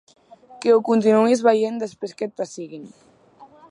Que ho continues veient després que et pessiguen.